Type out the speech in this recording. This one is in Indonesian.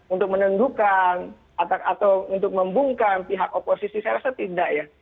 untuk menundukan atau untuk membungkam pihak oposisi saya rasa tidak ya